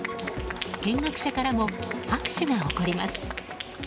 見学者からも拍手が起こります。